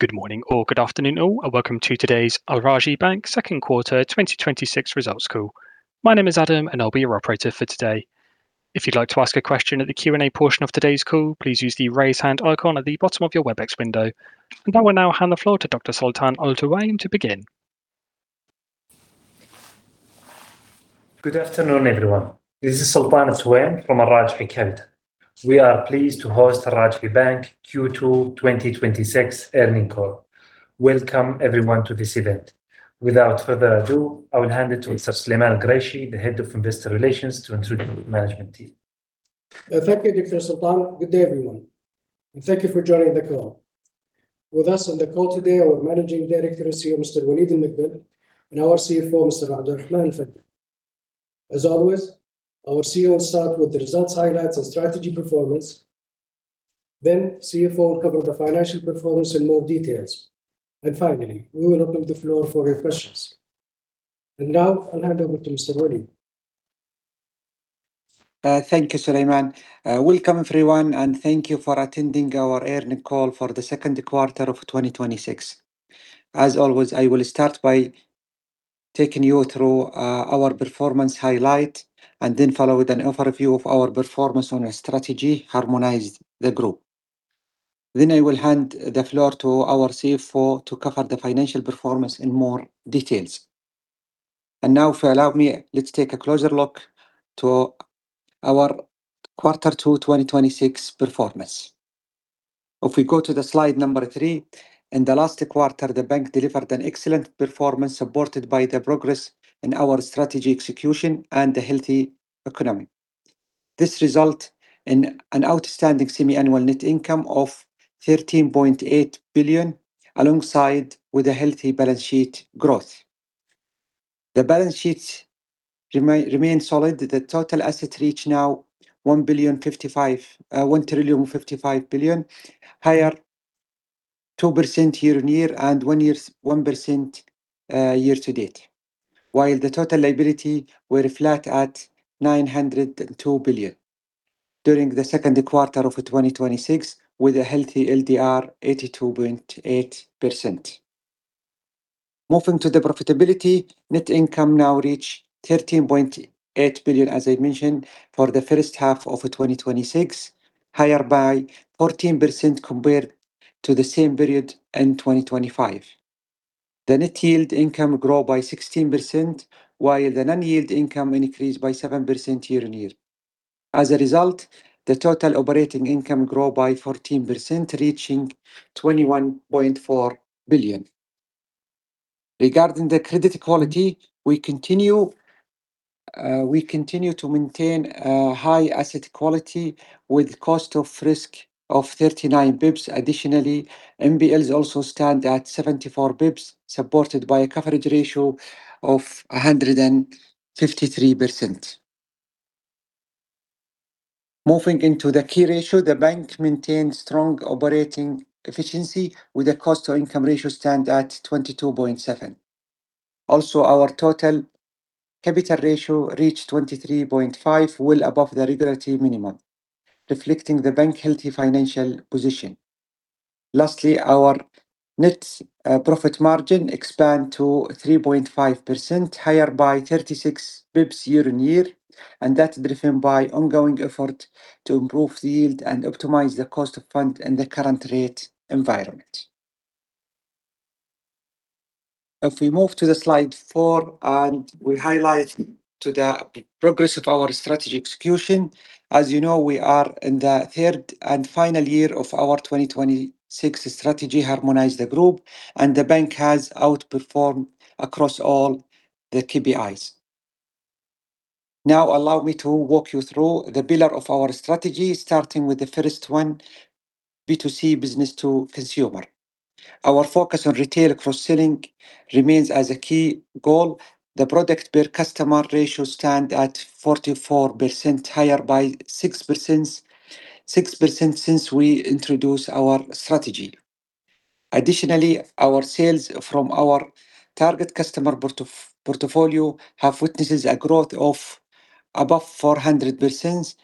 Good morning or good afternoon all, welcome to today's Al Rajhi Bank second quarter 2026 results call. My name is Adam, I'll be your operator for today. If you'd like to ask a question at the Q&A portion of today's call, please use the raise hand icon at the bottom of your Webex window. I will now hand the floor to Dr. Sultan AlTowaim to begin. Good afternoon, everyone. This is Sultan AlTowaim from Al Rajhi Capital. We are pleased to host Al Rajhi Bank Q2 2026 earnings call. Welcome everyone to this event. Without further ado, I will hand it to Mr. Sulaiman Alquraishi, the Head of Investor Relations, to introduce the management team. Thank you, Dr. Sultan. Good day, everyone, thank you for joining the call. With us on the call today, our Managing Director and CEO, Mr. Waleed Al-Mogbel, and our CFO, Mr. Abdulrahman Al-Fadda. As always, our CEO will start with the results, highlights, and strategy performance. CFO will cover the financial performance in more details. Finally, we will open the floor for your questions. Now I'll hand over to Mr. Waleed. Thank you, Sulaiman. Welcome everyone, thank you for attending our earnings call for the second quarter of 2026. As always, I will start by taking you through our performance highlight and then follow with an overview of our performance on our strategy, Harmonize the Group. Then I will hand the floor to our CFO to cover the financial performance in more details. Now, if you allow me, let's take a closer look to our quarter two 2026 performance. If we go to the slide number three, in the last quarter, the bank delivered an excellent performance supported by the progress in our strategy execution the healthy economy. This result in an outstanding semi-annual net income of 13.8 billion alongside with a healthy balance sheet growth. The balance sheet remains solid. The total asset reach now 1,055 billion, higher 2% year-on-year and 1% year-to-date. The total liability were flat at 902 billion during the second quarter of 2026 with a healthy LDR, 82.8%. Moving to the profitability, net income now reach 13.8 billion, as I mentioned, for the first half of 2026, higher by 14% compared to the same period in 2025. The net yield income grow by 16%, while the non-yield income increased by 7% year-over-year. The total operating income grow by 14%, reaching 21.4 billion. Regarding the credit quality, we continue to maintain a high asset quality with cost of risk of 39 basis points. NPLs also stand at 74 basis points, supported by a coverage ratio of 153%. Moving into the key ratio, the bank maintains strong operating efficiency with a cost-to-income ratio stand at 22.7%. Our total capital ratio reached 23.5%, well above the regulatory minimum, reflecting the bank healthy financial position. Our net profit margin expand to 3.5%, higher by 36 basis points year-on-year, and that's driven by ongoing effort to improve the yield and optimize the cost of fund in the current rate environment. If we move to the slide four, we highlight to the progress of our strategy execution. As you know, we are in the third and final year of our 2026 strategy, Harmonize the Group, the bank has outperformed across all the KPIs. Allow me to walk you through the pillar of our strategy, starting with the first one, B2C, business-to-consumer. Our focus on retail cross-selling remains as a key goal. The product per customer ratio stand at 44%, higher by 6% since we introduced our strategy. Our sales from our target customer portfolio have witnesses a growth of above 400%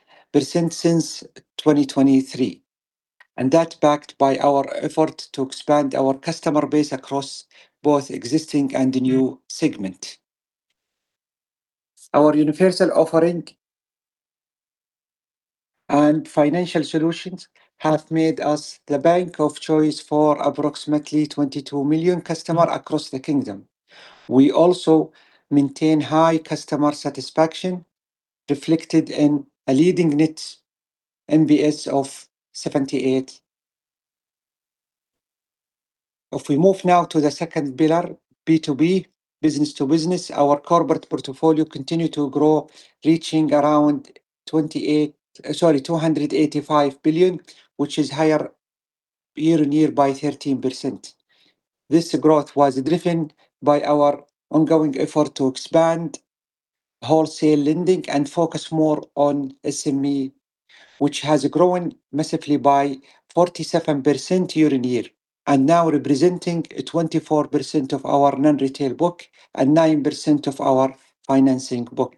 since 2023, that's backed by our effort to expand our customer base across both existing and new segment. Our universal offering and financial solutions have made us the bank of choice for approximately 22 million customer across the kingdom. We also maintain high customer satisfaction, reflected in a leading NPS of 78%. If we move now to the second pillar, B2B, business-to-business, our corporate portfolio continue to grow, reaching around 285 billion, which is higher year-on-year by 13%. This growth was driven by our ongoing effort to expand wholesale lending and focus more on SME, which has grown massively by 47% year-on-year and now representing 24% of our non-retail book and 9% of our financing book.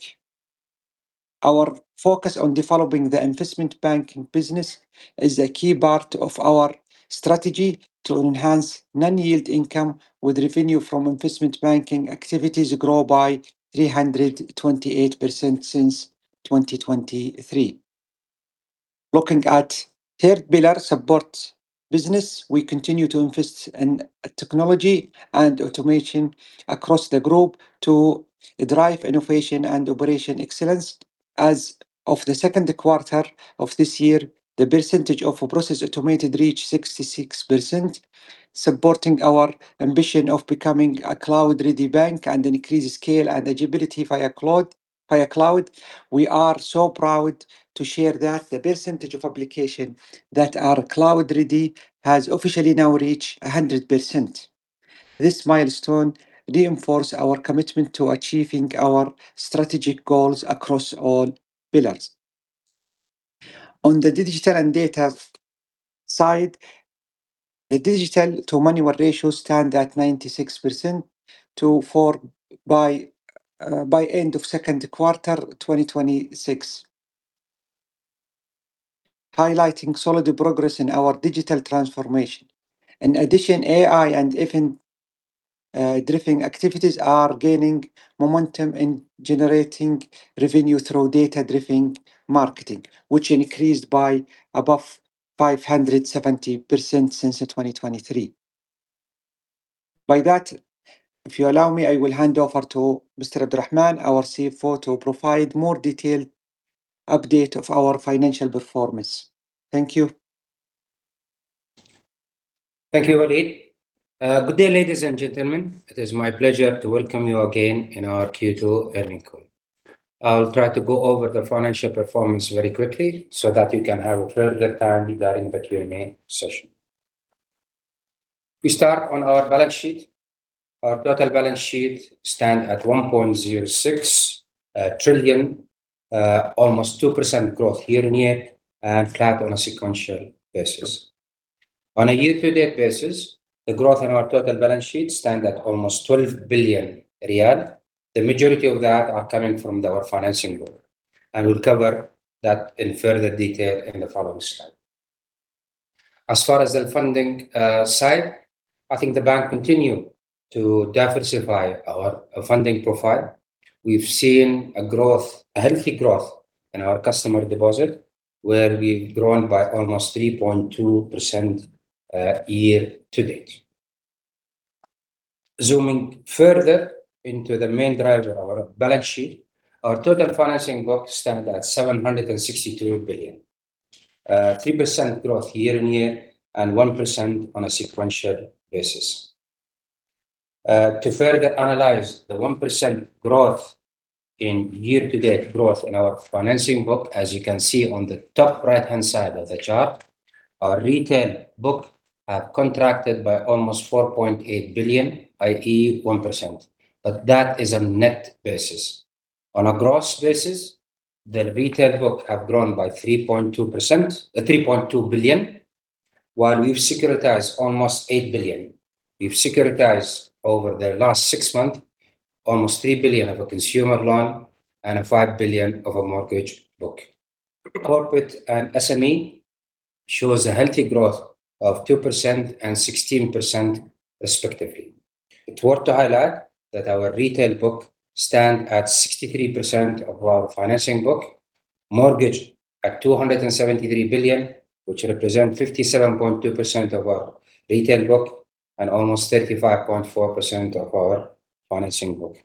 Our focus on developing the investment banking business is a key part of our strategy to enhance non-yield income, with revenue from investment banking activities grow by 328% since 2023. Looking at third pillar support business, we continue to invest in technology and automation across the group to drive innovation and operation excellence. As of the second quarter of this year, the percentage of process automated reached 66%, supporting our ambition of becoming a cloud-ready bank increase scale and agility via cloud. We are so proud to share that the percentage of application that are cloud-ready has officially now reached 100%. This milestone reinforce our commitment to achieving our strategic goals across all pillars. On the digital and data side, the digital to manual ratio stand at 96% by end of second quarter 2026, highlighting solid progress in our digital transformation. In addition, AI and event-driven activities are gaining momentum in generating revenue through data-driven marketing, which increased by above 570% since 2023. By that, if you allow me, I will hand over to Mr. Abdulrahman, our CFO, to provide more detailed update of our financial performance. Thank you. Thank you, Waleed. Good day, ladies and gentlemen. It is my pleasure to welcome you again in our Q2 earning call. I'll try to go over the financial performance very quickly so that we can have further time during the Q&A session. We start on our balance sheet. Our total balance sheet stand at 1.06 trillion, almost 2% growth year-on-year and flat on a sequential basis. On a year-to-date basis, the growth in our total balance sheet stand at almost 12 billion riyal. The majority of that are coming from our financing book, and we'll cover that in further detail in the following slide. As far as the funding side, I think the bank continue to diversify our funding profile. We've seen a healthy growth in our customer deposit, where we've grown by almost 3.2% year-to-date. Zooming further into the main driver of our balance sheet, our total financing book stand at 762 billion. 3% growth year-on-year and 1% on a sequential basis. To further analyze the 1% growth in year-to-date growth in our financing book, as you can see on the top right-hand side of the chart, our retail book have contracted by almost 4.8 billion, i.e., 1%, but that is a net basis. On a gross basis, the retail book have grown by 3.2 billion, while we've securitized almost 8 billion. We've securitized over the last six month, almost 3 billion of a consumer loan and 5 billion of a mortgage book. Corporate and SME shows a healthy growth of 2% and 16% respectively. It's worth to highlight that our retail book stand at 63% of our financing book, mortgage at 273 billion, which represent 57.2% of our retail book and almost 35.4% of our financing book.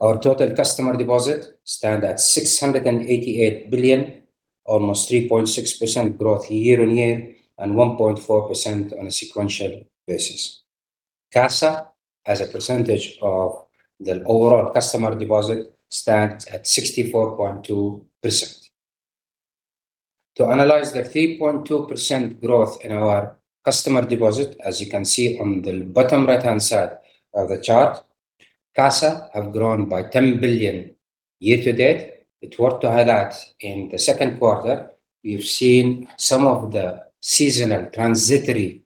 Our total customer deposit stand at 688 billion, almost 3.6% growth year-on-year and 1.4% on a sequential basis. CASA, as a percentage of the overall customer deposit, stands at 64.2%. To analyze the 3.2% growth in our customer deposit, as you can see on the bottom right-hand side of the chart, CASA have grown by 10 billion year-to-date. It's worth to highlight in the second quarter, we've seen some of the seasonal transitory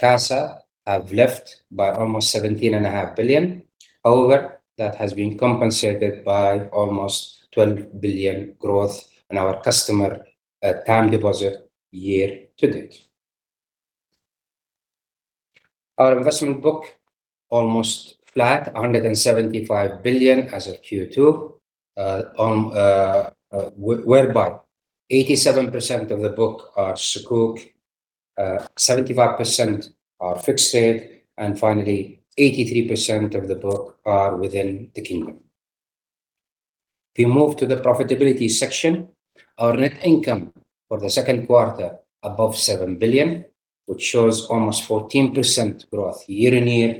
CASA have left by almost 17.5 billion. However, that has been compensated by almost 12 billion growth in our customer time deposit year-to-date. Our investment book, almost flat, 175 billion as of Q2, whereby 87% of the book are Sukuk, 75% are fixed rate, and finally, 83% of the book are within the kingdom. We move to the profitability section. Our net income for the second quarter above 7 billion, which shows almost 14% growth year-on-year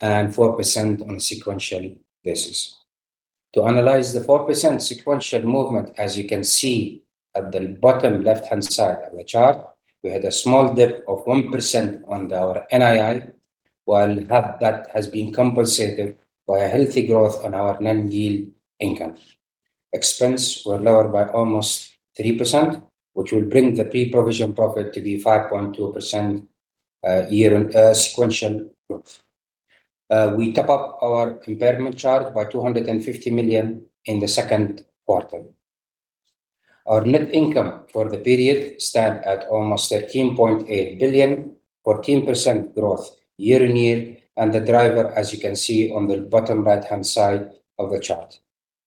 and 4% on a sequential basis. To analyze the 4% sequential movement, as you can see at the bottom left-hand side of the chart, we had a small dip of 1% on our NII, while that has been compensated by a healthy growth on our non-yield income. Expense were lower by almost 3%, which will bring the pre-provision profit to be 5.2% year on sequential growth. We top up our impairment charge by 250 million in the second quarter. Our net income for the period stand at almost 13.8 billion, 14% growth year-on-year, and the driver, as you can see on the bottom right-hand side of the chart.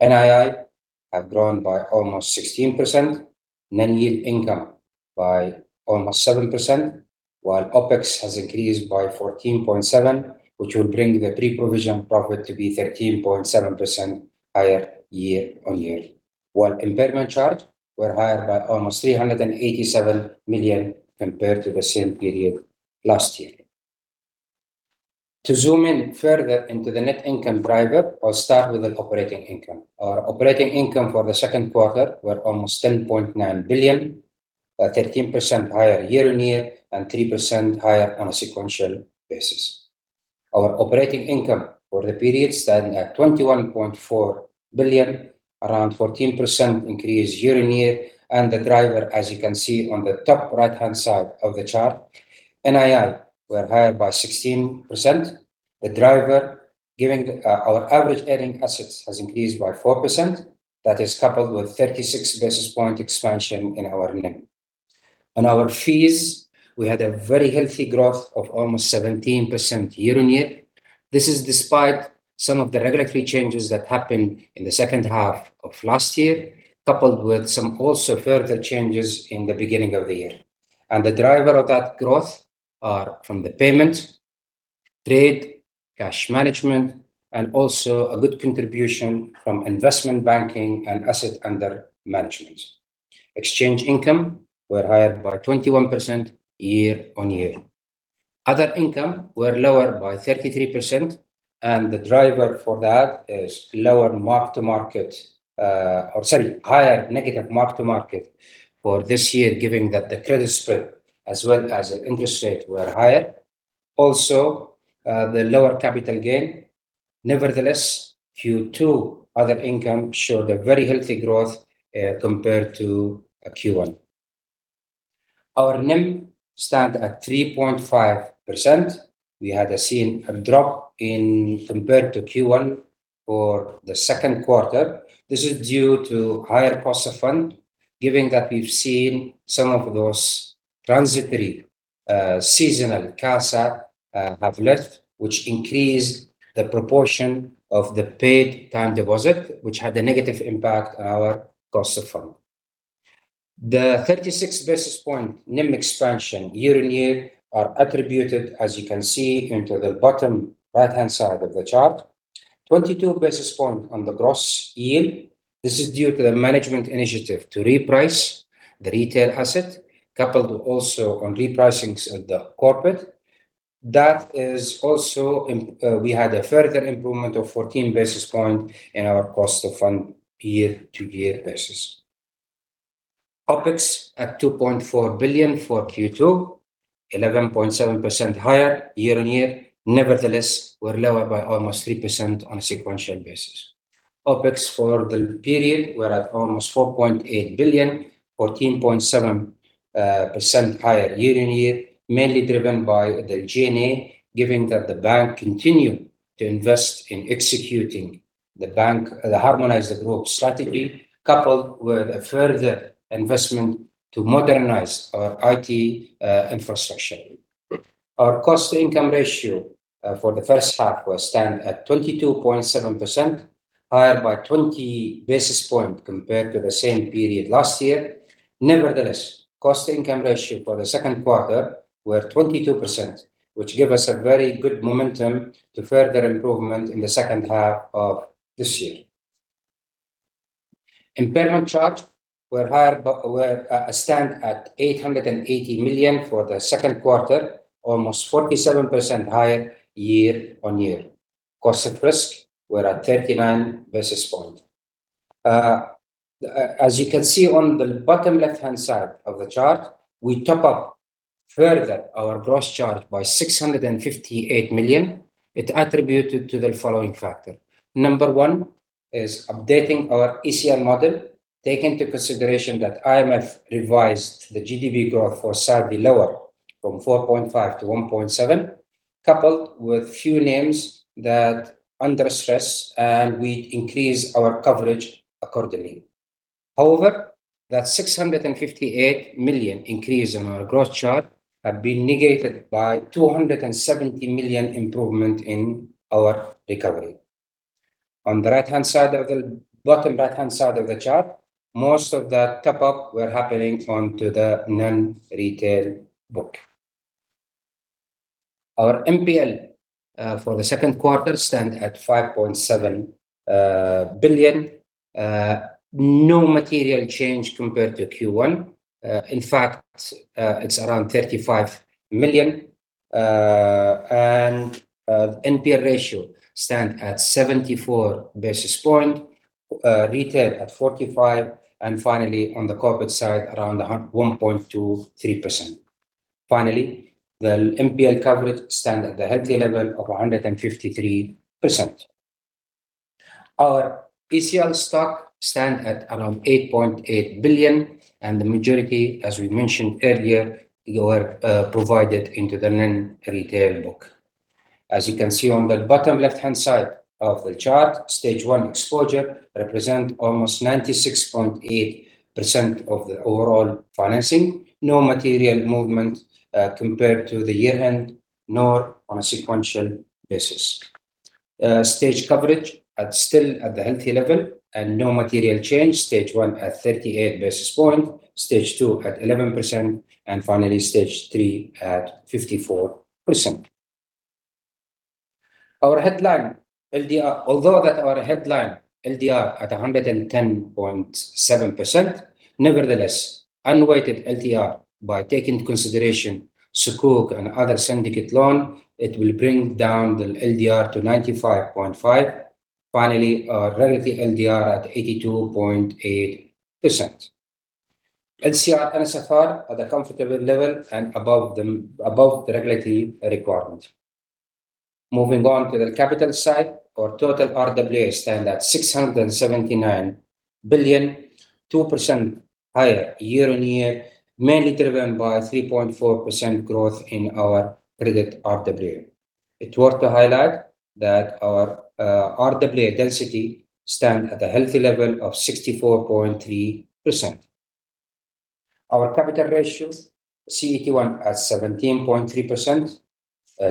NII have grown by almost 16%, net yield income by almost 7%, while OpEx has increased by 14.7%, which will bring the pre-provision profit to be 13.7% higher year-on-year. While impairment charge were higher by almost 387 million compared to the same period last year. To zoom in further into the net income driver, I'll start with the operating income. Our operating income for the second quarter were almost 10.9 billion, 13% higher year-on-year, and 3% higher on a sequential basis. Our operating income for the period standing at 21.4 billion, around 14% increase year-on-year, and the driver, as you can see on the top right-hand side of the chart, NII were higher by 16%. The driver, our average earning assets has increased by 4%. That is coupled with 36 basis point expansion in our NIM. On our fees, we had a very healthy growth of almost 17% year-on-year. This is despite some of the regulatory changes that happened in the second half of last year, coupled with some also further changes in the beginning of the year. The driver of that growth are from the payment, trade, cash management, and also a good contribution from investment banking and asset under management. Exchange income were higher by 21% year-on-year. Other income were lower by 33%, the driver for that is higher negative mark-to-market for this year, given that the credit spread as well as interest rate were higher. Also, the lower capital gain. Nevertheless, Q2 other income showed a very healthy growth, compared to Q1. Our NIM stand at 3.5%. We had seen a drop compared to Q1 for the second quarter. This is due to higher cost of fund, given that we've seen some of those transitory, seasonal CASA have left, which increased the proportion of the paid time deposit, which had a negative impact on our cost of fund. The 36 basis point NIM expansion year-on-year are attributed, as you can see into the bottom right-hand side of the chart. 22 basis point on the gross yield. This is due to the management initiative to reprice the retail asset, coupled also on repricing the corporate. We had a further improvement of 14 basis point in our cost of fund year-on-year basis. OpEx at 2.4 billion for Q2, 11.7% higher year-on-year. Nevertheless, were lower by almost 3% on a sequential basis. OpEx for the period were at almost 4.8 billion, 14.7% higher year-on-year, mainly driven by the G&A, given that the bank continue to invest in executing the harmonized growth strategy, coupled with a further investment to modernize our IT infrastructure. Our cost income ratio for the first half will stand at 22.7%, higher by 20 basis point compared to the same period last year. Nevertheless, cost income ratio for the second quarter were 22%, which give us a very good momentum to further improvement in the second half of this year. Impairment charge stand at 880 million for the second quarter, almost 47% higher year-on-year. Cost of risk were at 39 basis point. As you can see on the bottom left-hand side of the chart, we top up further our gross charge by 658 million. It attributed to the following factor. Number one is updating our ECL model. Take into consideration that IMF revised the GDP growth for Saudi lower from 4.5% to 1.7%, coupled with few names that are under stress, and we increase our coverage accordingly. However, that 658 million increase in our growth charge have been negated by 270 million improvement in our recovery. On the bottom right-hand side of the chart, most of that top-up were happening onto the non-retail book. Our NPL for the second quarter stand at 5.7 billion. No material change compared to Q1. In fact, it is around SAR 35 million. NPL ratio stand at 74 basis point, retail at 45%, and finally, on the corporate side, around 1.23%. The NPL coverage stand at the healthy level of 153%. Our ECL stock stand at around 8.8 billion, and the majority, as we mentioned earlier, were provided into the non-retail book. As you can see on the bottom left-hand side of the chart, stage one exposure represent almost 96.8% of the overall financing. No material movement compared to the year end, nor on a sequential basis. Stage coverage at still at the healthy level and no material change. Stage one at 38 basis point, stage two at 11%, and finally, stage three at 54%. Although our headline LDR at 110.7%, unweighted LDR by taking into consideration Sukuk and other syndicate loan, it will bring down the LDR to 95.5%. Our relative LDR at 82.8%. LCR and NSFR at a comfortable level and above the regulatory requirement. Moving on to the capital side, our total RWA stand at 679 billion, 2% higher year-on-year, mainly driven by 3.4% growth in our credit RWA. It is worth to highlight that our RWA density stand at a healthy level of 64.3%. Our capital ratio CET1 at 17.3%,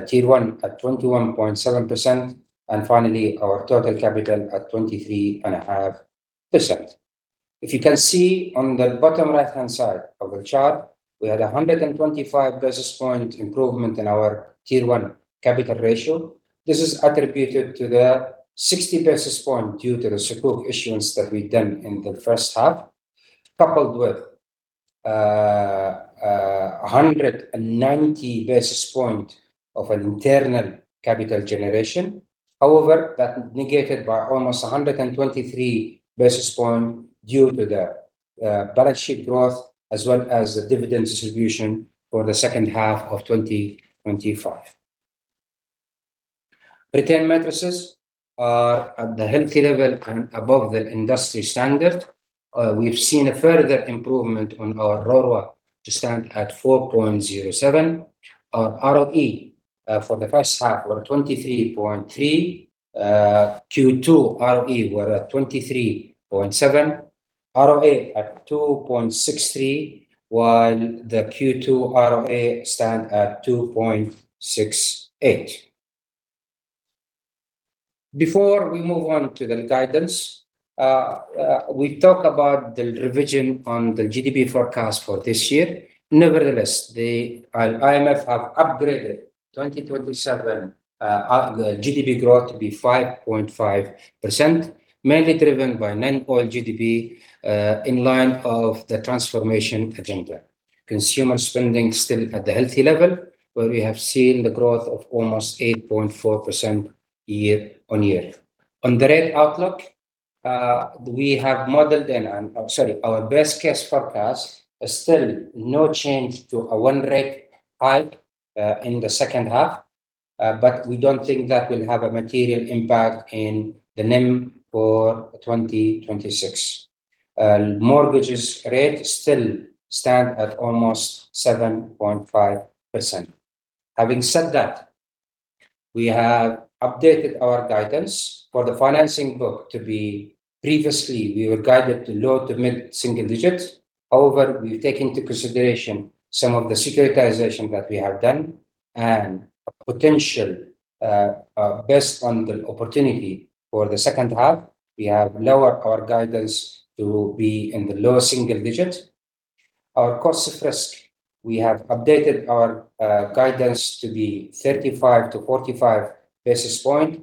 Tier 1 at 21.7%, and our total capital at 23.5%. If you can see on the bottom right-hand side of the chart, we had 125 basis point improvement in our Tier 1 capital ratio. This is attributed to the 60 basis point due to the Sukuk issuance that we've done in the first half, coupled with 190 basis point of an internal capital generation. That negated by almost 123 basis points due to the balance sheet growth as well as the dividend distribution for the second half of 2025. Retained metrics are at the healthy level and above the industry standard. We've seen a further improvement on our ROAA to stand at 4.07%. Our ROE for the first half were 23.3%. Q2 ROE were at 23.7%. ROA at 2.63%, while the Q2 ROA stand at 2.68%. Before we move on to the guidance, we talk about the revision on the GDP forecast for this year. The IMF have upgraded 2027 GDP growth to be 5.5%, mainly driven by non-oil GDP, in line of the transformation agenda. Consumer spending still at the healthy level, where we have seen the growth of almost 8.4% year-on-year. On the rate outlook, our best case forecast is still no change to a one rate hike, in the second half, we don't think that will have a material impact in the NIM for 2026. Mortgages rate still stand at almost 7.5%. Having said that, we have updated our guidance for the financing book to be previously we were guided to low to mid-single digits. We take into consideration some of the securitization that we have done and potential, based on the opportunity for the second half, we have lowered our guidance to be in the low single digit. Our cost of risk, we have updated our guidance to be 35 to 45 basis points,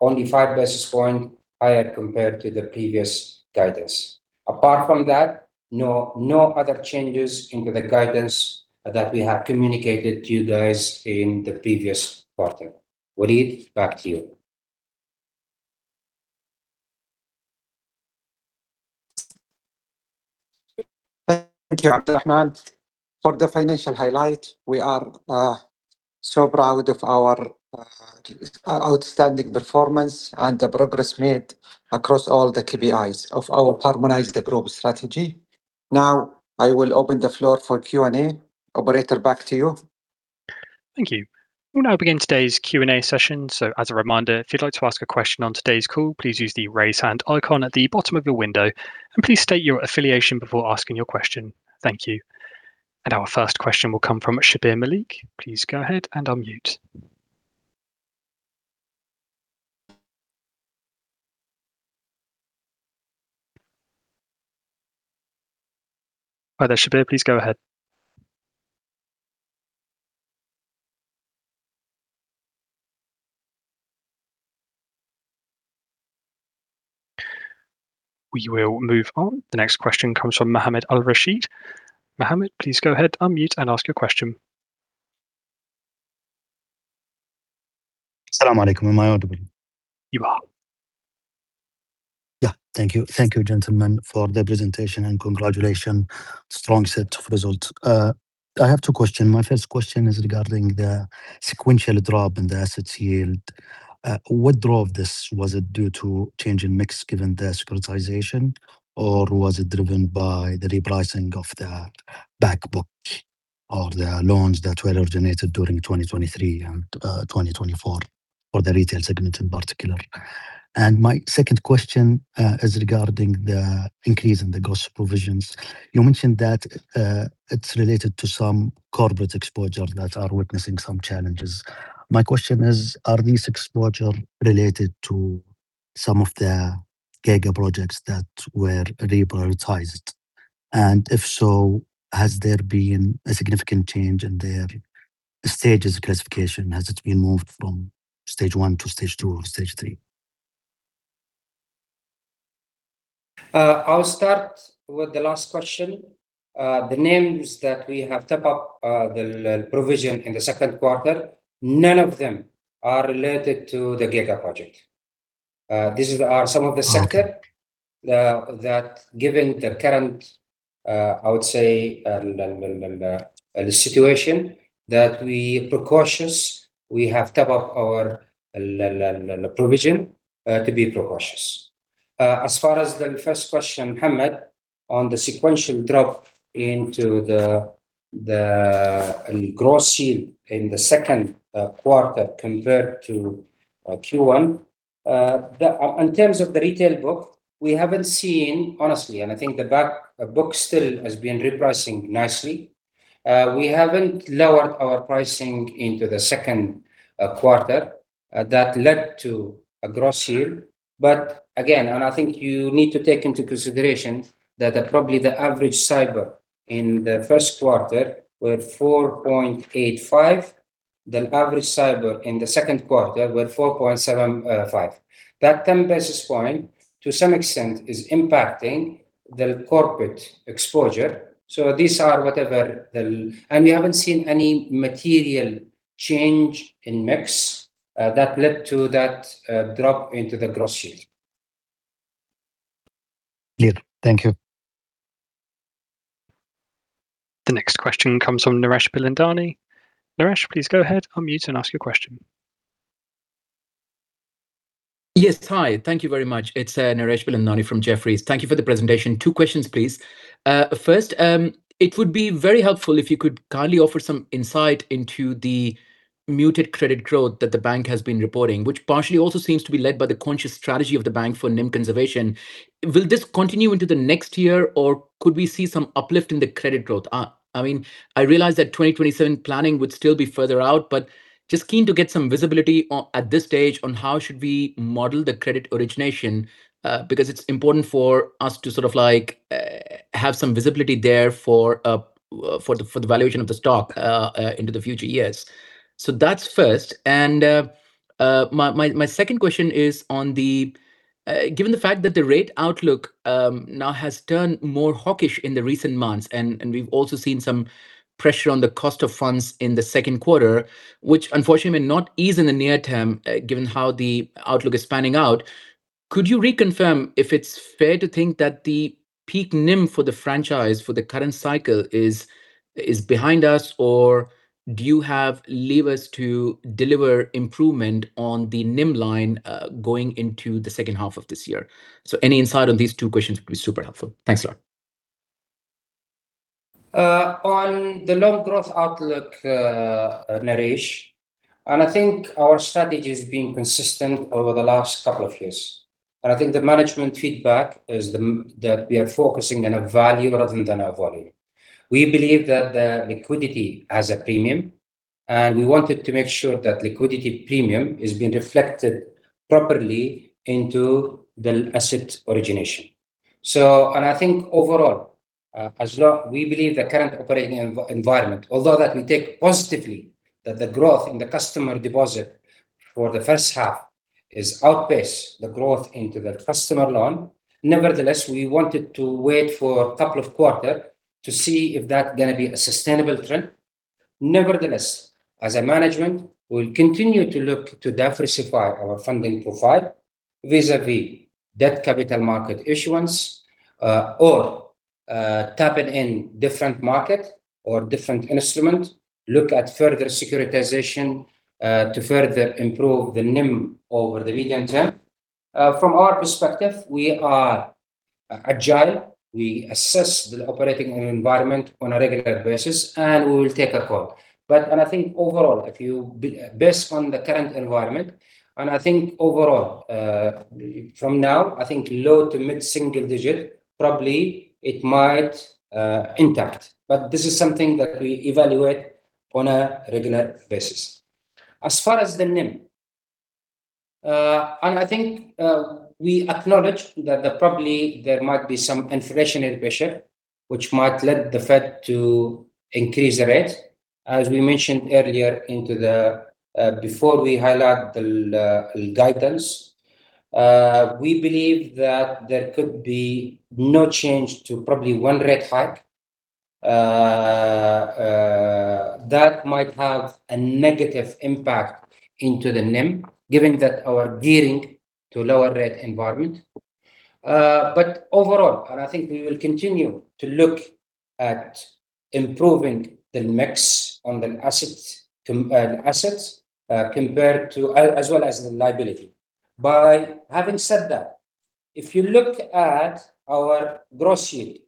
only five basis points higher compared to the previous guidance. Apart from that, no other changes in the guidance that we have communicated to you guys in the previous quarter. Waleed, back to you. Thank you, Abdulrahman, for the financial highlight. We are so proud of our outstanding performance and the progress made across all the KPIs of our Harmonize the Group strategy. Now I will open the floor for Q&A. Operator, back to you. Thank you. We'll now begin today's Q&A session. As a reminder, if you'd like to ask a question on today's call, please use the raise hand icon at the bottom of your window, please state your affiliation before asking your question. Thank you. Our first question will come from Shabbir Malik. Please go ahead and unmute. Hi there, Shabbir. Please go ahead. We will move on. The next question comes from Mohammed Al-Rasheed. Mohammed, please go ahead, unmute ask your question. Am I audible? You are. Thank you, gentlemen, for the presentation, congratulations. Strong set of results. I have two questions. My first question is regarding the sequential drop in the assets yield. What drove this? Was it due to change in mix given the securitization, or was it driven by the repricing of the back book or the loans that were originated during 2023 and 2024 for the retail segment in particular? My second question is regarding the increase in the cost provisions. You mentioned that it's related to some corporate exposure that are witnessing some challenges. My question is, are these exposure related to some of the giga-projects that were reprioritized? If so, has there been a significant change in their stages classification? Has it been moved from stage one to stage two or stage three? I'll start with the last question. The names that we have top up the provision in the second quarter, none of them are related to the giga-project. These are some of the sector that, given the current, I would say, situation, that we cautious, we have top up our provision to be cautious. As far as the first question, Hamad, on the sequential drop into the gross yield in the second quarter compared to Q1. In terms of the retail book, we haven't seen, honestly, and I think the back book still has been repricing nicely. We haven't lowered our pricing into the second quarter that led to a gross yield. I think you need to take into consideration that probably the average SAIBOR in the first quarter were 4.85%. The average SAIBOR in the second quarter were 4.75%. That 10 basis points, to some extent, is impacting the corporate exposure. We haven't seen any material change in mix that led to that drop into the gross yield. Clear. Thank you. The next question comes from Naresh Bilandani. Naresh, please go ahead, unmute and ask your question. Yes. Hi. Thank you very much. It's Naresh Bilandani from Jefferies. Thank you for the presentation. Two questions, please. First, it would be very helpful if you could kindly offer some insight into the muted credit growth that the bank has been reporting, which partially also seems to be led by the conscious strategy of the bank for NIM conservation. Will this continue into the next year, or could we see some uplift in the credit growth? I realize that 2027 planning would still be further out, but just keen to get some visibility at this stage on how should we model the credit origination, because it's important for us to have some visibility there for the valuation of the stock into the future years. That's first. My second question is on the, given the fact that the rate outlook now has turned more hawkish in the recent months. We've also seen some pressure on the cost of funds in the second quarter, which unfortunately will not ease in the near term, given how the outlook is panning out. Could you reconfirm if it's fair to think that the peak NIM for the franchise for the current cycle is behind us, or do you have levers to deliver improvement on the NIM line, going into the second half of this year? Any insight on these two questions would be super helpful. Thanks a lot. On the loan growth outlook, Naresh, I think our strategy has been consistent over the last couple of years. I think the management feedback is that we are focusing on our value rather than our volume. We believe that the liquidity has a premium. We wanted to make sure that liquidity premium is being reflected properly into the asset origination. I think overall, Azra, we believe the current operating environment, although that we take positively that the growth in the customer deposit for the first half has outpaced the growth into the customer loan. Nevertheless, we wanted to wait for a couple of quarter to see if that going to be a sustainable trend. Nevertheless, as a management, we'll continue to look to diversify our funding profile vis-a-vis that capital market issuance, or tapping in different market or different instrument, look at further securitization, to further improve the NIM over the medium term. From our perspective, we are agile. We assess the operating environment on a regular basis. We will take a call. I think overall, based on the current environment, I think overall, from now, I think low to mid-single digit, probably it might intact. This is something that we evaluate on a regular basis. As far as the NIM, I think, we acknowledge that probably there might be some inflationary pressure which might lead the Fed to increase the rate. As we mentioned earlier, before we highlight the guidance, we believe that there could be no change to probably one rate hike that might have a negative impact into the NIM, given that our gearing to lower rate environment. Overall, I think we will continue to look at improving the mix on the assets, as well as the liability. Having said that, if you look at our gross yield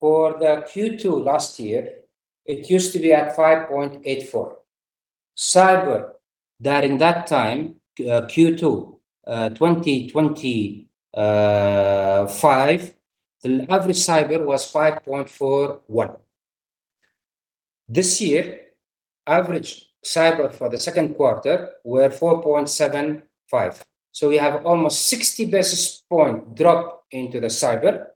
for the Q2 last year, it used to be at 5.84. SAIBOR, during that time, Q2 2025, the average SAIBOR was 5.41. This year, average SAIBOR for the second quarter were 4.75. We have almost 60 basis point drop into the SAIBOR.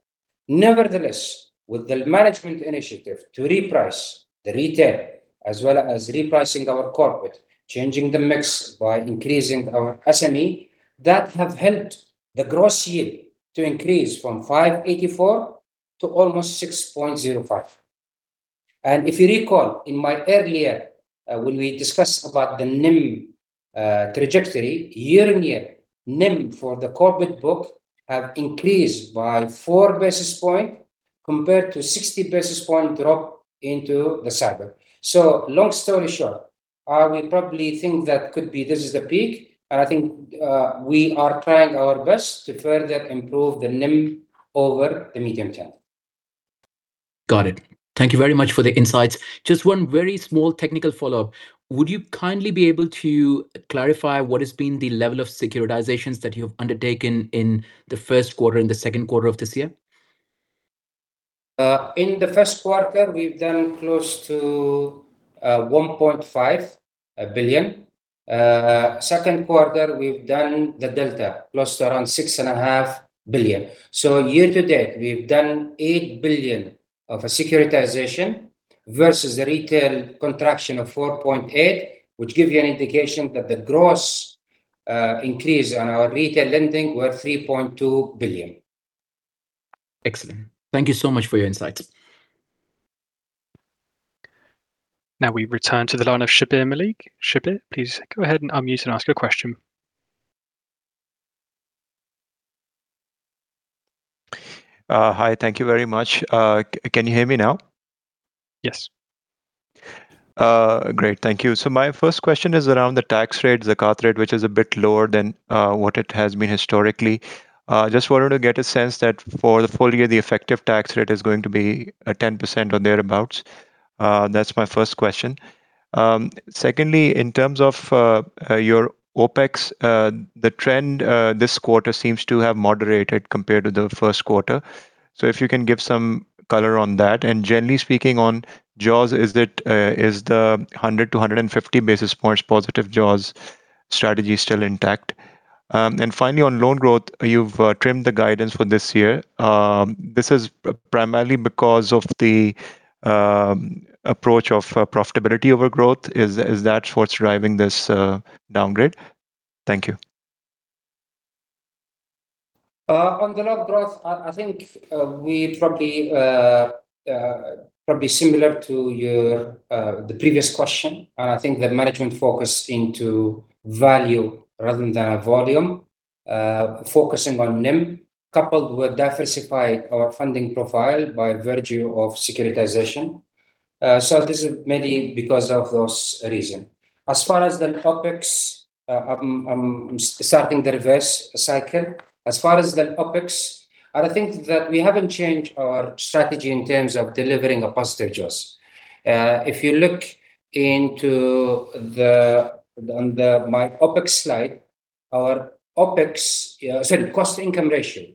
Nevertheless, with the management initiative to reprice the retail as well as repricing our corporate, changing the mix by increasing our SME, that have helped the gross yield to increase from 5.84% to almost 6.05%. If you recall, in my earlier, when we discussed about the NIM trajectory, year-on-year NIM for the corporate book have increased by four basis point compared to 60 basis point drop into the SAIBOR. Long story short, we probably think that could be this is the peak, and I think we are trying our best to further improve the NIM over the medium term. Got it. Thank you very much for the insights. Just one very small technical follow-up. Would you kindly be able to clarify what has been the level of securitizations that you've undertaken in the first quarter and the second quarter of this year? In the first quarter, we've done close to 1.5 billion. Second quarter, we've done the delta, close to around 6.5 billion. Year-to-date, we've done 8 billion of securitization versus the retail contraction of 4.8 billion, which give you an indication that the gross increase on our retail lending were 3.2 billion. Excellent. Thank you so much for your insights. Now we return to the line of Shabbir Malik. Shabbir, please go ahead and unmute and ask your question. Hi, thank you very much. Can you hear me now? Yes. Great, thank you. My first question is around the tax rate, Zakat rate, which is a bit lower than what it has been historically. Just wanted to get a sense that for the full year, the effective tax rate is going to be 10% or thereabouts. That's my first question. Secondly, in terms of your OpEx, the trend this quarter seems to have moderated compared to the first quarter. If you can give some color on that. Generally speaking, on jaws, is the 100-150 basis points positive jaws strategy still intact? Finally, on loan growth, you've trimmed the guidance for this year. This is primarily because of the approach of profitability over growth. Is that what's driving this downgrade? Thank you. On the loan growth, I think probably similar to the previous question, the management focus into value rather than volume, focusing on NIM, coupled with diversify our funding profile by virtue of securitization. This is mainly because of those reasons. As far as the OpEx, I'm starting the reverse cycle. As far as the OpEx, we haven't changed our strategy in terms of delivering a positive jaws. If you look on my OpEx slide, our cost income ratio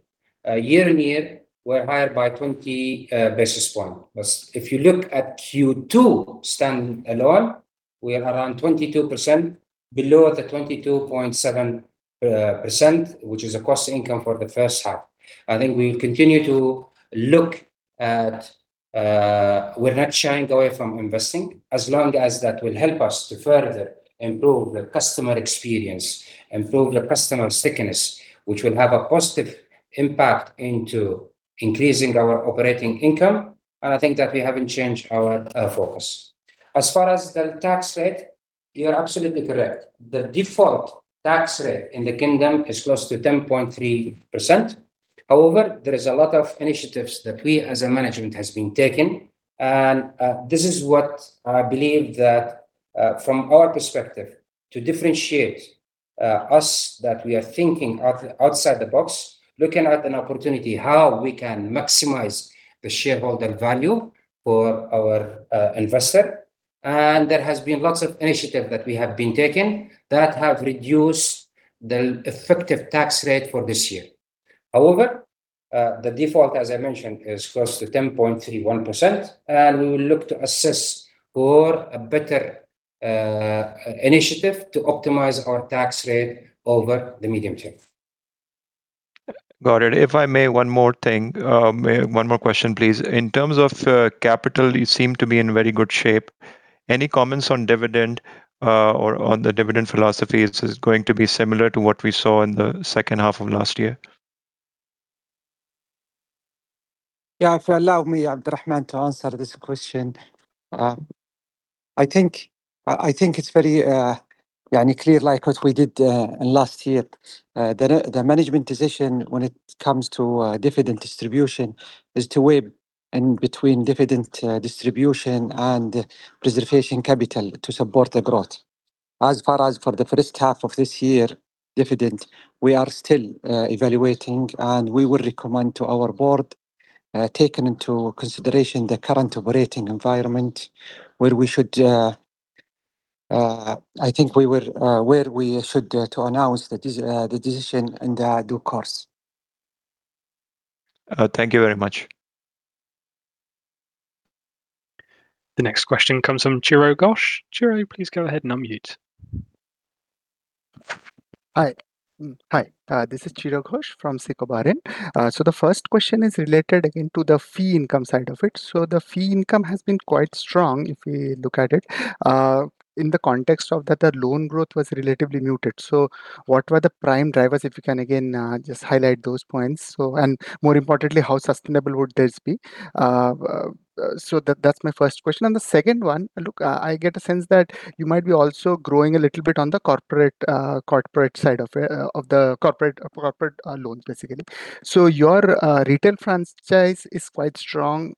year-on-year were higher by 20 basis points. If you look at Q2 standing alone, we are around 22%, below the 22.7%, which is a cost income for the first half. I think we continue to look at, we're not shying away from investing, as long as that will help us to further improve the customer experience, improve the customer stickiness, which will have a positive impact into increasing our operating income. I think that we haven't changed our focus. As far as the tax rate, you're absolutely correct. The default tax rate in the kingdom is close to 10.3%. However, there is a lot of initiatives that we, as a management, has been taking, and this is what I believe that from our perspective, to differentiate us, that we are thinking outside the box, looking at an opportunity, how we can maximize the shareholder value for our investor. There has been lots of initiatives that we have been taking that have reduced the effective tax rate for this year. However, the default, as I mentioned, is close to 10.31%. We will look to assess for a better initiative to optimize our tax rate over the medium term. Got it. If I may, one more thing, one more question, please. In terms of capital, you seem to be in very good shape. Any comments on dividend or on the dividend philosophy? Is it going to be similar to what we saw in the second half of last year? Yeah, if you allow me, Abdulrahman, to answer this question. I think it's very clear, like what we did in last year, the management decision when it comes to dividend distribution is to weigh in between dividend distribution and preservation capital to support the growth. As far as for the first half of this year dividend, we are still evaluating, and we will recommend to our board, taking into consideration the current operating environment, where we should announce the decision in the due course. Thank you very much. The next question comes from Chiro Ghosh. Chiro, please go ahead and unmute. Hi. This is Chiro Ghosh from SICO Bahrain. The first question is related again to the fee income side of it. The fee income has been quite strong, if we look at it, in the context of that, the loan growth was relatively muted. What were the prime drivers, if you can again, just highlight those points. More importantly, how sustainable would this be? That's my first question. The second one, look, I get a sense that you might be also growing a little bit on the corporate side of the corporate loans, basically. Your retail franchise is quite strong.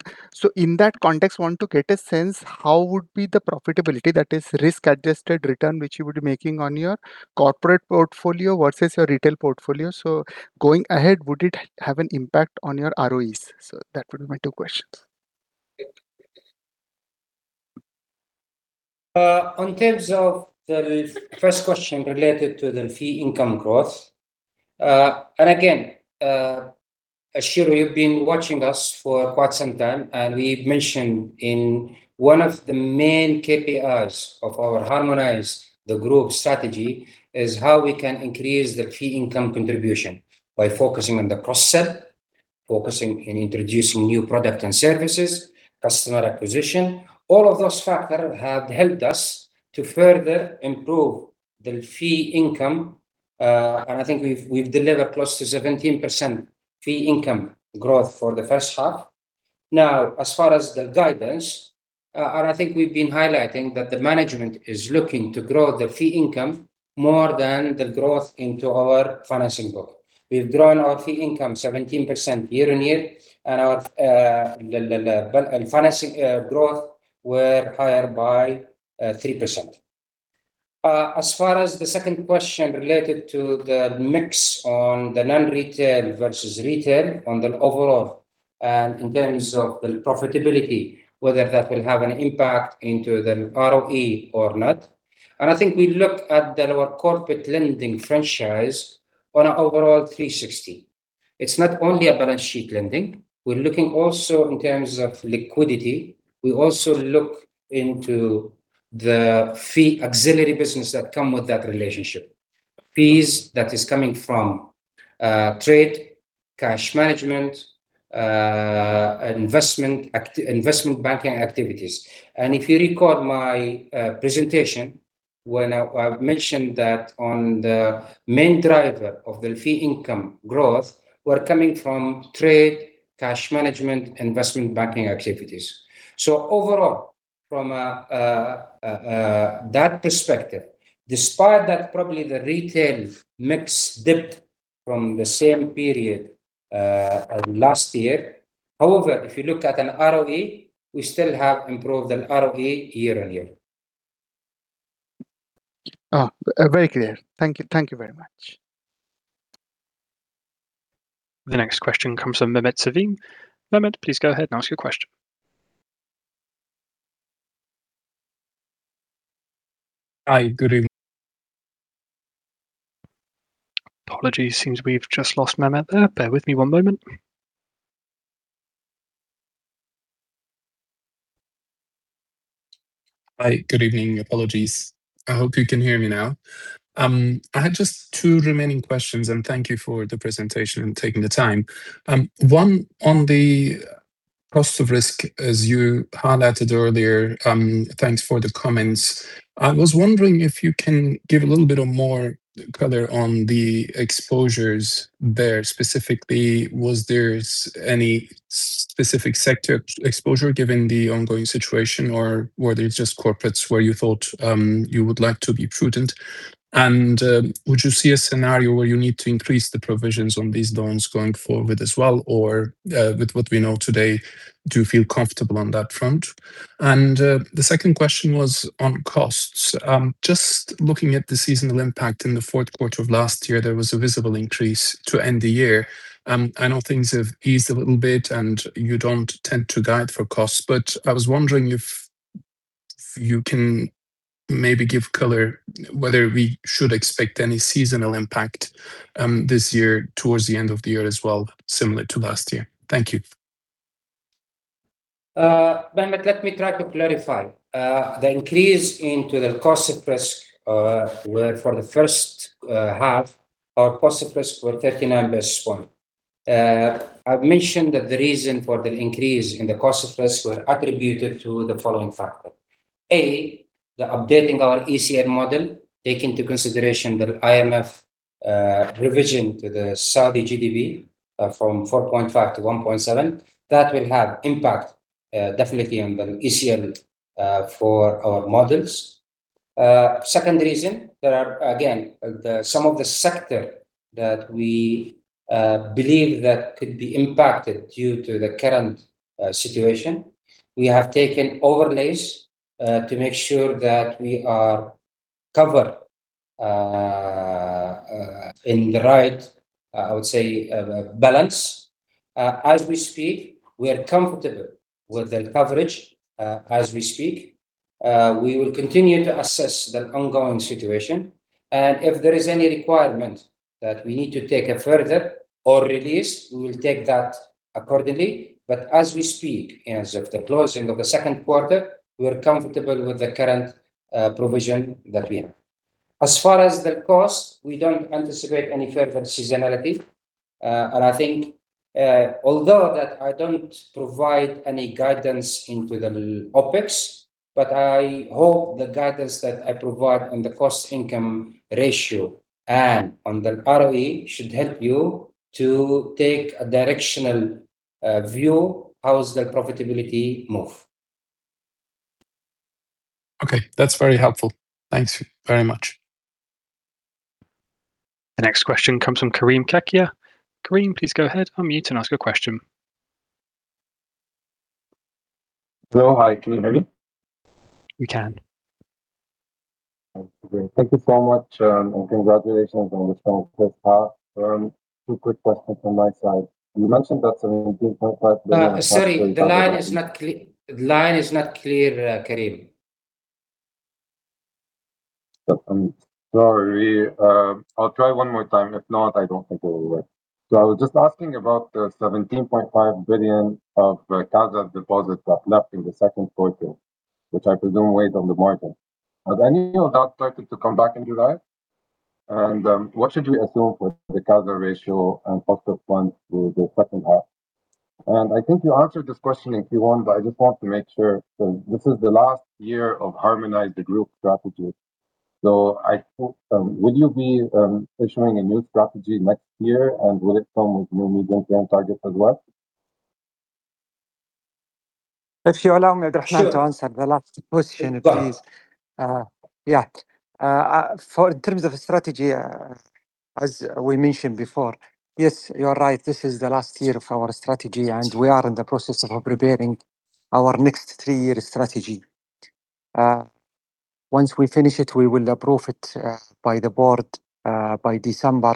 In that context, want to get a sense, how would be the profitability, that is, risk-adjusted return, which you would be making on your corporate portfolio versus your retail portfolio. Going ahead, would it have an impact on your ROEs? That would be my two questions. In terms of the first question related to the fee income growth. Again, Chiro, you've been watching us for quite some time, and we've mentioned in one of the main KPIs of our Harmonize the Group strategy is how we can increase the fee income contribution by focusing on the cross-sell, focusing in introducing new product and services, customer acquisition. All of those factor have helped us to further improve the fee income. I think we've delivered close to 17% fee income growth for the first half. As far as the guidance, I think we've been highlighting that the management is looking to grow the fee income more than the growth into our financing book. We've grown our fee income 17% year-on-year, our financing growth were higher by 3%. As far as the second question related to the mix on the non-retail versus retail on the overall and in terms of the profitability, whether that will have an impact into the ROE or not, I think we look at our corporate lending franchise on an overall 360. It's not only a balance sheet lending. We're looking also in terms of liquidity. We also look into the fee auxiliary business that come with that relationship, fees that is coming from trade, cash management, investment banking activities. If you recall my presentation, when I've mentioned that on the main driver of the fee income growth were coming from trade, cash management, investment banking activities. Overall, from that perspective, despite that, probably the retail mix dipped from the same period of last year. However, if you look at an ROE, we still have improved an ROE year-on-year. Very clear. Thank you. Thank you very much. The next question comes from Mehmet Sevim. Mehmet, please go ahead and ask your question. Hi. Good. Apologies. Seems we've just lost Mehmet there. Bear with me one moment. Hi. Good evening. Apologies. I hope you can hear me now. I had just two remaining questions, thank you for the presentation and taking the time. One, on the cost of risk, as you highlighted earlier, thanks for the comments. I was wondering if you can give a little bit of more color on the exposures there specifically. Was there any specific sector exposure given the ongoing situation, or were they just corporates where you thought you would like to be prudent? Would you see a scenario where you need to increase the provisions on these loans going forward as well? With what we know today, do you feel comfortable on that front? The second question was on costs. Just looking at the seasonal impact in the fourth quarter of last year, there was a visible increase to end the year. I know things have eased a little bit, and you don't tend to guide for costs, but I was wondering if you can maybe give color whether we should expect any seasonal impact this year towards the end of the year as well, similar to last year. Thank you. Mehmet, let me try to clarify. The increase into the cost of risk were for the first half, our cost of risk were 39 basis points. I've mentioned that the reason for the increase in the cost of risk were attributed to the following factor. A, the updating our ECL model take into consideration the IMF revision to the Saudi GDP from 4.5% to 1.7%. That will have impact, definitely on the ECL for our models. Second reason, there are, again, some of the sector that we believe that could be impacted due to the current situation. We have taken overlays to make sure that we are covered in the right, I would say, balance. As we speak, we are comfortable with the coverage as we speak. We will continue to assess the ongoing situation, and if there is any requirement that we need to take a further or release, we will take that accordingly. As we speak, as of the closing of the second quarter, we are comfortable with the current provision that we have. As far as the cost, we don't anticipate any further seasonality. I think, although that I don't provide any guidance into the OpEx, but I hope the guidance that I provide on the cost income ratio and on the ROE should help you to take a directional view how the profitability move. Okay, that's very helpful. Thanks very much. The next question comes from Kareem Kakia. Kareem, please go ahead, unmute and ask your question. Hello. Hi, can you hear me? We can. Okay. Thank you so much, and congratulations on the strong first half. Two quick questions from my side. You mentioned that the 17.5 billion- Sorry, the line is not clear, Kareem. Sorry. I'll try one more time. If not, I don't think it will work. I was just asking about the 17.5 billion of CASA deposits that left in the second quarter, which I presume weighed on the margin. Have any of that started to come back in July? What should we assume for the CASA ratio and cost of funds through the second half? I think you answered this question, if you want, but I just want to make sure, this is the last year of Harmonize the Group strategy. I hope, would you be issuing a new strategy next year? Will it come with new medium-term targets as well? If you allow me, Abdulrahman. Sure To answer the last question, please. Yeah. In terms of strategy, as we mentioned before, yes, you are right, this is the last year of our strategy, and we are in the process of preparing our next three-year strategy. Once we finish it, we will approve it, by the board, by December,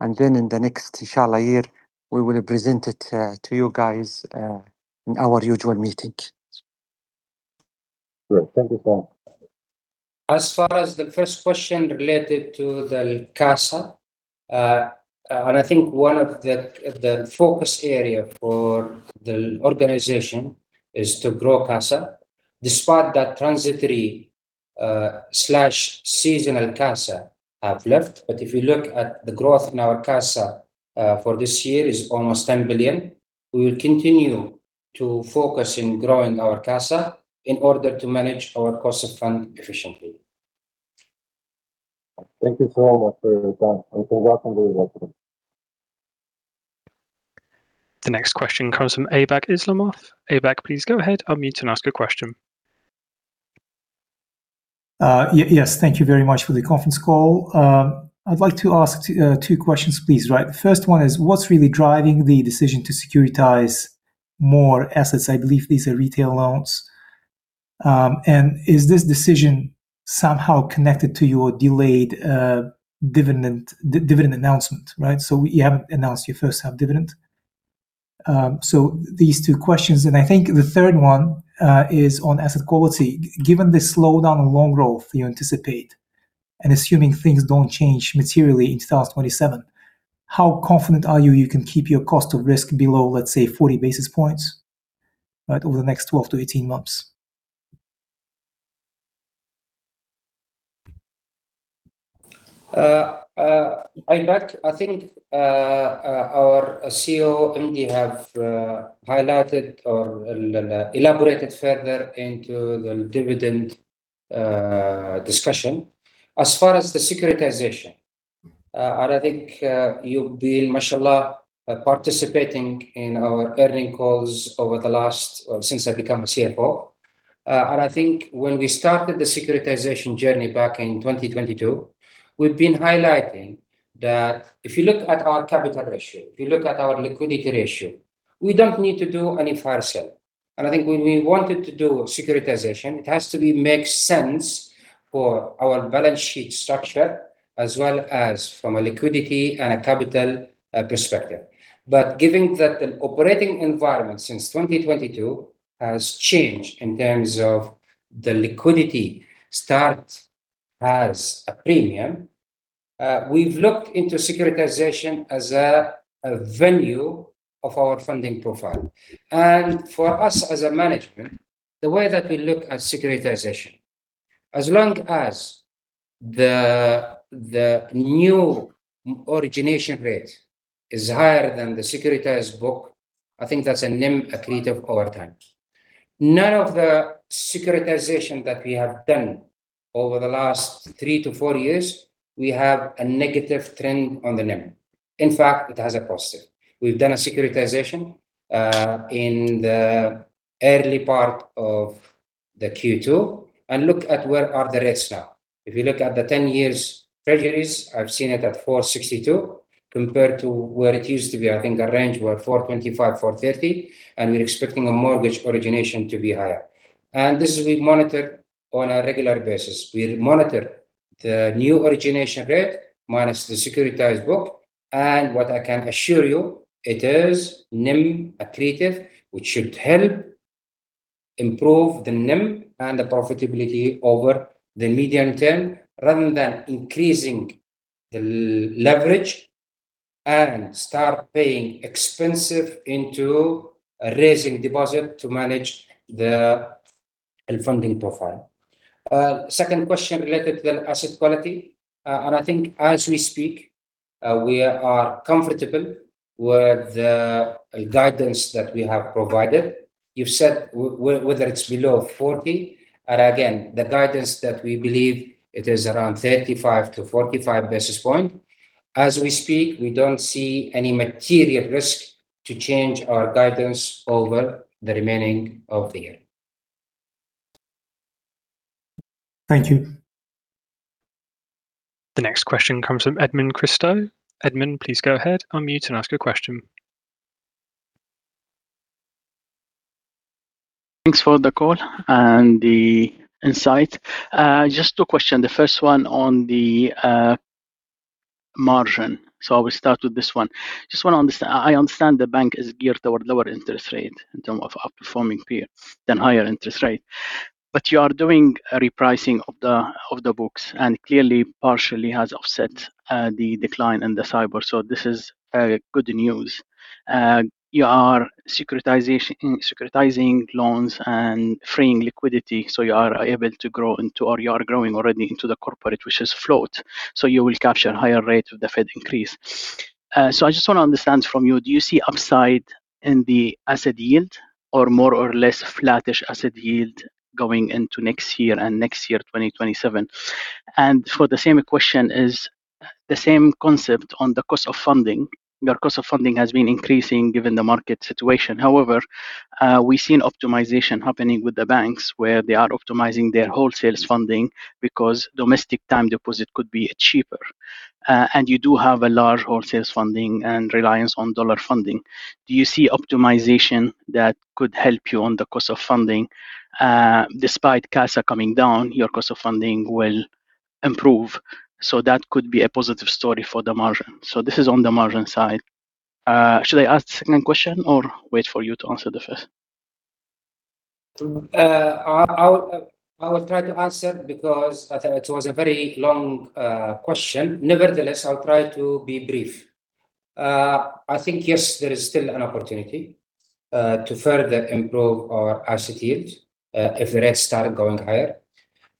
and then in the next, Inshallah, year, we will present it to you guys, in our usual meeting. Great. Thank you so much. As far as the first question related to the CASA, and I think one of the focus area for the organization is to grow CASA. Despite that transitory/seasonal CASA have left, but if you look at the growth in our CASA, for this year is almost 10 billion. We will continue to focus in growing our CASA in order to manage our cost of fund efficiently. Thank you so much Abdulrahman, and congratulations once again. The next question comes from Aybek Islamov. Aybek, please go ahead, unmute and ask your question. Yes, thank you very much for the conference call. I'd like to ask two questions, please. Right. The first one is, what's really driving the decision to securitize more assets? I believe these are retail loans. Is this decision somehow connected to your delayed dividend announcement, right? You haven't announced your first half dividend. These two questions, and I think the third one, is on asset quality. Given the slowdown and loan growth you anticipate, and assuming things don't change materially in 2027, how confident are you, you can keep your cost of risk below, let's say, 40 basis points, right, over the next 12 to 18 months? Aybek, I think, our COO, Andy, have highlighted or elaborated further into the dividend discussion. As far as the securitization, I think, you've been, Mashallah, participating in our earning calls over the last Well, since I become a CFO. I think when we started the securitization journey back in 2022, we've been highlighting that if you look at our capital ratio, if you look at our liquidity ratio, we don't need to do any fire sale. I think when we wanted to do securitization, it has to be make sense for our balance sheet structure as well as from a liquidity and a capital perspective. Given that the operating environment since 2022 has changed in terms of the liquidity start as a premium, we've looked into securitization as a venue of our funding profile. For us as a management, the way that we look at securitization As long as the new origination rate is higher than the securitized book, I think that's a NIM accretive over time. None of the securitization that we have done over the last three to four years, we have a negative trend on the NIM. In fact, it has a positive. We've done a securitization in the early part of the Q2, look at where are the rates now. If you look at the 10-year treasuries, I've seen it at four six two, compared to where it used to be, I think our range were four 25, four 30, we're expecting a mortgage origination to be higher. This we monitor on a regular basis. We monitor the new origination rate minus the securitized book. What I can assure you, it is NIM accretive, which should help improve the NIM and the profitability over the medium term rather than increasing the leverage and start paying expensive into raising deposit to manage the funding profile. Second question related to the asset quality. I think as we speak, we are comfortable with the guidance that we have provided. You've said whether it's below 40. Again, the guidance that we believe it is around 35 to 45 basis points. As we speak, we don't see any material risk to change our guidance over the remaining of the year. Thank you. The next question comes from Edmond Christou. Edmond, please go ahead, unmute and ask your question. Thanks for the call and the insight. Just two questions. The first one on the margin. I will start with this one. I understand the bank is geared toward lower interest rate in terms of outperforming period than higher interest rate. You are doing a repricing of the books and clearly partially has offset the decline in the SAIBOR, this is very good news. You are securitizing loans and freeing liquidity, you are able to grow into, or you are growing already into the corporate, which is float, you will capture higher rate with the Fed increase. I just want to understand from you, do you see upside in the asset yield or more or less flattish asset yield going into next year and next year, 2027? For the same question is the same concept on the cost of funding. Your cost of funding has been increasing given the market situation. However, we've seen optimization happening with the banks where they are optimizing their wholesale funding because domestic time deposit could be cheaper. You do have a large wholesale funding and reliance on dollar funding. Do you see optimization that could help you on the cost of funding? Despite CASA coming down, your cost of funding will improve. That could be a positive story for the margin. This is on the margin side. Should I ask the second question or wait for you to answer the first? I will try to answer because it was a very long question. Nevertheless, I'll try to be brief. I think yes, there is still an opportunity to further improve our asset yield, if the rates start going higher.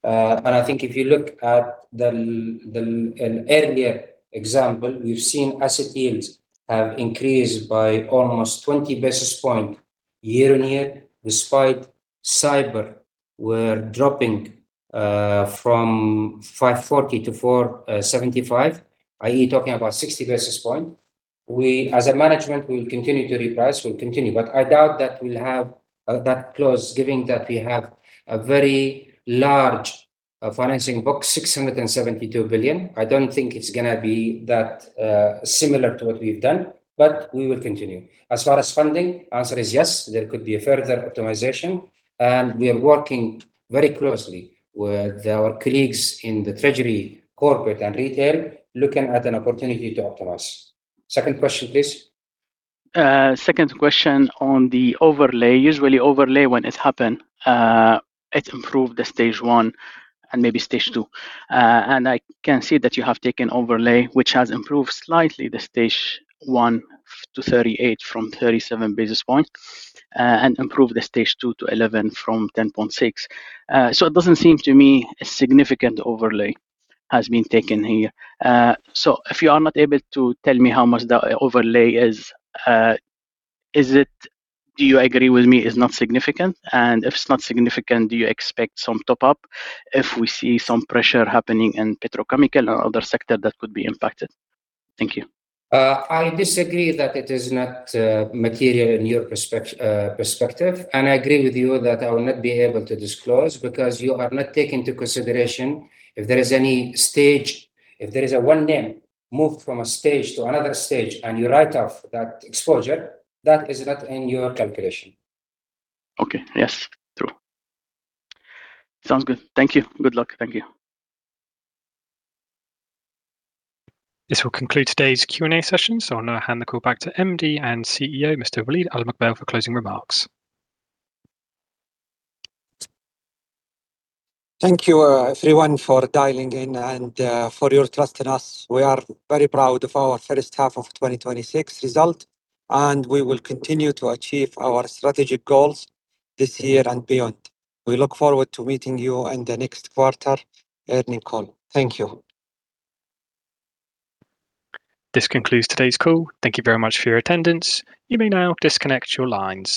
I think if you look at an earlier example, we've seen asset yields have increased by almost 20 basis point year-on-year, despite SAIBOR were dropping from 540 to 475, i.e. talking about 60 basis point. We, as a management, we will continue to reprice, we'll continue. I doubt that we'll have that close, given that we have a very large financing book, 672 billion. I don't think it's going to be that similar to what we've done, but we will continue. As far as funding, answer is yes, there could be a further optimization. We are working very closely with our colleagues in the treasury, corporate, and retail, looking at an opportunity to optimize. Second question, please. Second question on the overlay. Usually overlay, when it happen, it improve the stage one and maybe stage two. I can see that you have taken overlay, which has improved slightly the stage one to 38 from 37 basis point, and improved the stage two to 11 from 10.6. It doesn't seem to me a significant overlay has been taken here. If you are not able to tell me how much the overlay is, do you agree with me it's not significant? If it's not significant, do you expect some top up if we see some pressure happening in petrochemical and other sector that could be impacted? Thank you. I disagree that it is not material in your perspective. I agree with you that I will not be able to disclose because you have not taken into consideration if there is any stage, if there is a one NIM moved from a stage to another stage and you write off that exposure, that is not in your calculation. Okay. Yes, true. Sounds good. Thank you. Good luck. Thank you. This will conclude today's Q&A session. I'll now hand the call back to MD and CEO, Mr. Waleed Al-Mogbel for closing remarks. Thank you, everyone, for dialing in and for your trust in us. We are very proud of our first half of 2026 result. We will continue to achieve our strategic goals this year and beyond. We look forward to meeting you in the next quarter earning call. Thank you. This concludes today's call. Thank you very much for your attendance. You may now disconnect your lines.